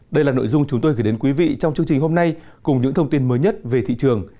đây là nội dung chúng tôi gửi đến quý vị trong chương trình hôm nay cùng những thông tin mới nhất về thị trường